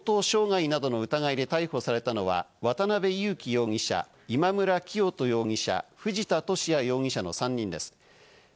警視庁によりますと、強盗傷害事件などの疑いで強盗傷害などの疑いで逮捕されたのは、渡辺優樹容疑者、今村磨人容疑者、藤田聖也容疑者の３人です。